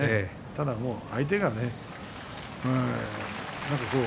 ただ相手がね